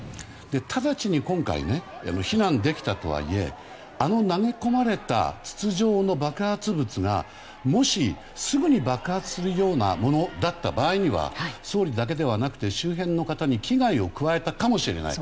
直ちに今回、避難できたとはいえあの投げ込まれた筒状の爆発物がもし、すぐに爆発するようなものだった場合には総理だけではなくて周辺の方に危害を加えたかもしれない。